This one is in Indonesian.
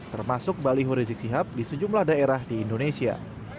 termasuk baliho rizik sihab di sejumlah daerah di indonesia